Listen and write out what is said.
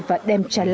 và đem trang trí